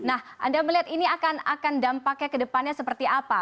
nah anda melihat ini akan dampaknya ke depannya seperti apa